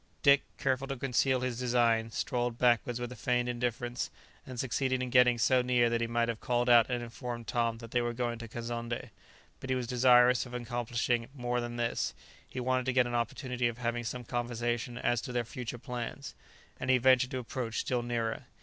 Dick, careful to conceal his design, strolled backward with a feigned indifference, and succeeded in getting so near that he might have called out and informed Tom that they were going to Kazonndé. But he was desirous of accomplishing more than this; he wanted to get an opportunity of having some conversation as to their future plans, and he ventured to approach still nearer.